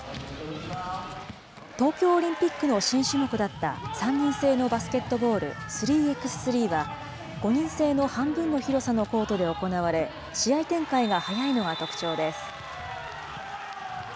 東京オリンピックの新種目だった３人制のバスケットボール、３Ｘ３は、５人制の半分の広さのコートで行われ、試合展開が速いのが特徴です。